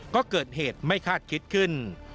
ก็เกิดเหตุไม่คาดคิดขึ้น